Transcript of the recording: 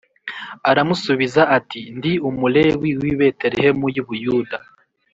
Aramusubiza ati ndi Umulewi w i Betelehemu y i Buyuda